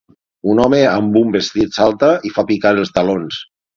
Un home amb un vestit salta i fa picar els talons.